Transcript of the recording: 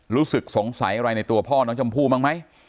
รู้สึกสงสัยอะไรในตัวพ่อน้องชมพู่บ้างไหม